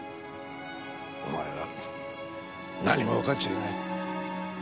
お前は何もわかっちゃいない。